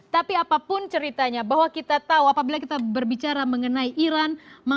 tapi apapun ceritanya bahwa kita tahu apabila kita berbicara mengenai iran